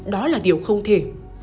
đó là điều không thể